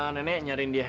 nenek nyariin dia